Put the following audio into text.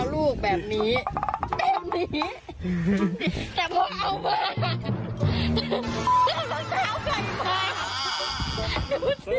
ลูกทำรองเท้าสดแต่รองเท้าลูกแบบนี้